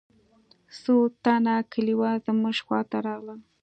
څو تنه كليوال زموږ خوا ته راغلل.